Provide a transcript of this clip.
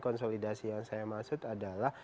konsolidasi yang saya maksud adalah